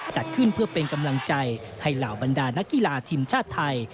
จัดขึ้นเพื่อเป็นกำลังใจให้เหล่าบรรดานักกีฬาทีมชาติไทย